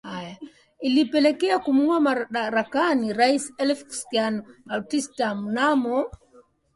Yaliyopelekea kumngoa madarakani Rais Fulgencio Batista mnamo